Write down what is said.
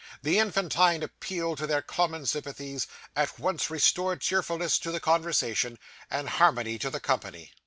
The infantine appeal to their common sympathies, at once restored cheerfulness to the conversation, and harmony to the company.